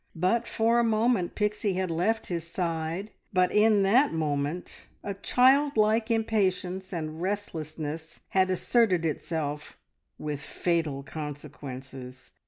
But for a moment Pixie had left his side, but in that moment a child like impatience and restlessness had asserted itself with fatal consequences.